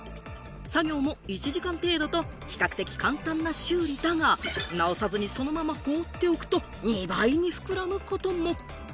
作業も１時間程度と比較的簡単な修理だが、直さずに、そのままほうっておくと２倍に膨らむことも。